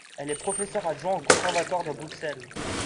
Elle est professeur adjoint au Conservatoire de Bruxelles.